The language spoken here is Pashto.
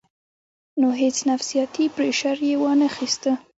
نو هېڅ نفسياتي پرېشر ئې وانۀ خستۀ -